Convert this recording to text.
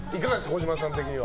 児嶋さん的には。